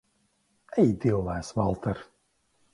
Ej dillēs, Valter!